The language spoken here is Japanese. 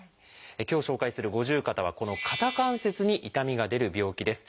今日紹介する五十肩はこの肩関節に痛みが出る病気です。